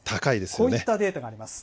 こういったデータがあります。